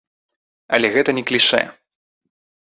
Але гэта не клішэ.